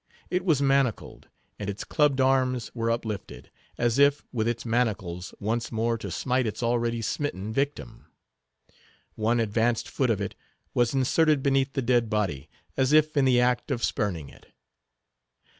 It was manacled, and its clubbed arms were uplifted, as if, with its manacles, once more to smite its already smitten victim. One advanced foot of it was inserted beneath the dead body, as if in the act of spurning it.